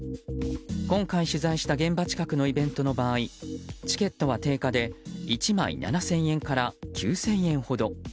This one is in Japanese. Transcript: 今回、取材した現場近くのイベントの場合チケットは定価で１枚７０００円から９０００円ほど。